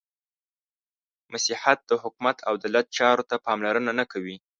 • مسیحیت د حکومت او دولت چارو ته پاملرنه نهکوي.